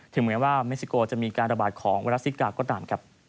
เหมือนว่าเม็กซิโกจะมีการระบาดของไวรัสซิกาก็ตามครับ